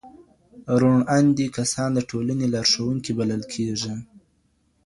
روڼ اندي کسان د ټولني لارښوونکي بلل کیږي.